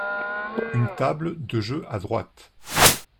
Une table de jeu à droite.